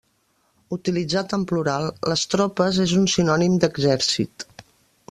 Utilitzat en plural, les tropes és un sinònim d'exèrcit.